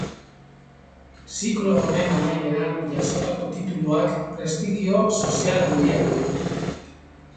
Ziklo honen amaieran jasotako tituluak prestigio sozial handia du.